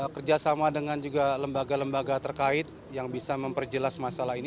kerjasama dengan juga lembaga lembaga terkait yang bisa memperjelas masalah ini